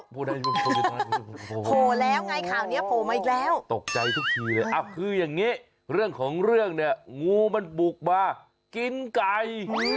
ฝนมาทีไรงูโผล่ทุกที